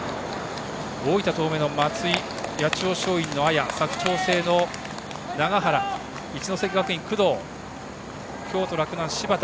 大分東明の松井、八千代松陰の綾佐久長聖の永原一関学院の工藤京都・洛南の柴田。